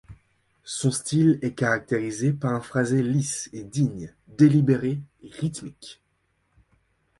Son style est caractérisé par un phrasé lisse et digne, délibérée et rythmique.